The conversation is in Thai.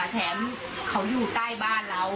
แถมเขาอยู่ใกล้บ้านเรา